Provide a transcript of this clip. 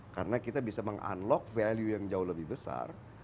karena kita bisa mengunlock value yang jauh lebih besar